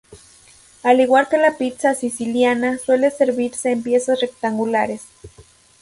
Al igual que la pizza siciliana suele servirse en piezas rectangulares.